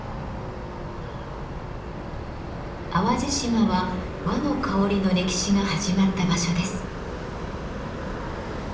淡路島は和の香りの歴史が始まった場所です。